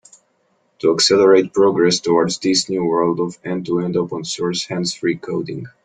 To accelerate progress towards this new world of end-to-end open source hands-free coding.